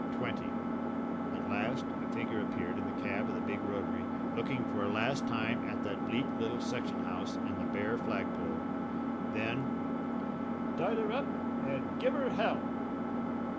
Twenty. At last a figure appeared in the cab of the big rotary, looking for a last time at that bleak little section house and the bare flagpole. Then: "Start 'er up and give 'er hell!"